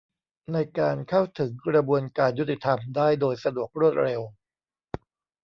ในการเข้าถึงกระบวนการยุติธรรมได้โดยสะดวกรวดเร็ว